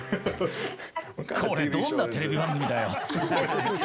これ、どんなテレビ番組だよ。